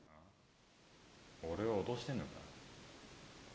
俺を脅してんのか？